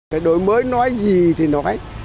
cái đội mới nói gì thì nói